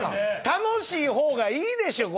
楽しい方がいいでしょ！